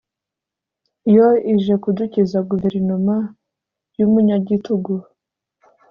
yo ije kudukiza Guverinoma y’umunyagitugu